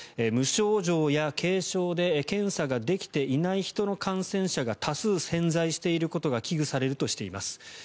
無症状や軽症で検査ができていない人の感染者が多数潜在していることが危惧されるとしています。